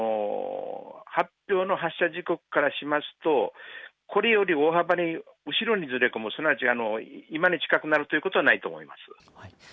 発表の発射時刻からしますとこれより大幅に後にずれ込む、今に近くなるということはないと思います。